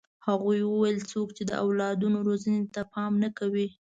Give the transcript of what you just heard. هغوی وویل څوک چې د اولادونو روزنې ته پام نه کوي.